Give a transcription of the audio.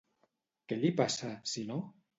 Què li passa, si no?